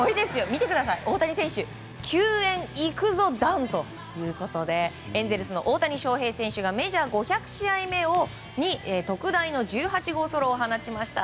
見てください、大谷選手球宴行くぞ弾ということでエンゼルスの大谷翔平選手がメジャー５００試合目に特大の１８号ソロを放ちました。